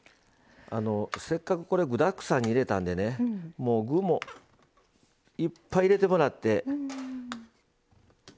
せっかく具だくさんに入れたのでいっぱい入れてもらって。